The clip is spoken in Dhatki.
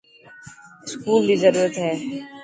اسڪول ري ضرورت هي.